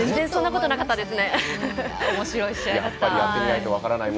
そんなことなかったですね。